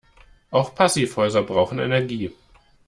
Auch Passivhäuser brauchen Energie.